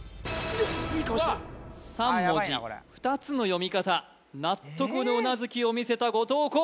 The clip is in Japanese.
よしいい顔してる３文字２つの読み方納得のうなずきを見せた後藤弘